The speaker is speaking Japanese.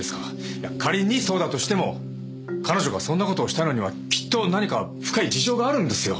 いや仮にそうだとしても彼女がそんな事をしたのにはきっと何か深い事情があるんですよ。